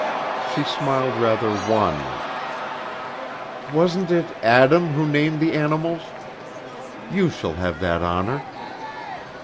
She smiled rather wanly. "Wasn't it Adam who named the animals? You shall have that honor."